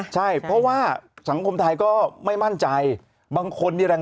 ใช่เพราะว่าสังคมไทยก็ไม่มั่นใจบางคนนี่แรง